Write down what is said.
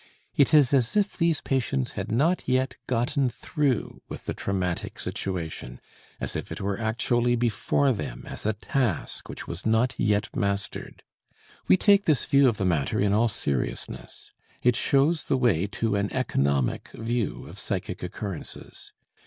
It is as if these patients had not yet gotten through with the traumatic situation, as if it were actually before them as a task which was not yet mastered. We take this view of the matter in all seriousness; it shows the way to an economic view of psychic occurrences.